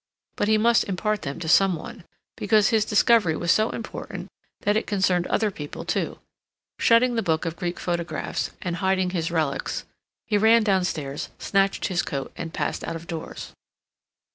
But he must impart them to some one, because his discovery was so important that it concerned other people too. Shutting the book of Greek photographs, and hiding his relics, he ran downstairs, snatched his coat, and passed out of doors.